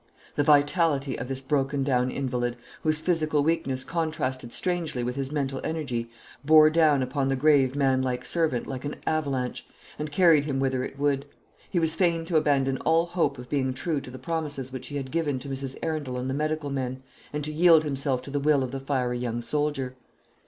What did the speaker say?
The vitality of this broken down invalid, whose physical weakness contrasted strangely with his mental energy, bore down upon the grave man servant like an avalanche, and carried him whither it would. He was fain to abandon all hope of being true to the promises which he had given to Mrs. Arundel and the medical men, and to yield himself to the will of the fiery young soldier.